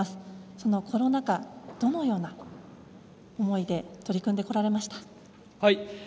そのコロナ禍、どのような思いで取り組んでこられました？